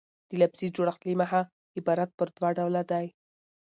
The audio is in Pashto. د لفظي جوړښت له مخه عبارت پر دوه ډوله ډﺉ.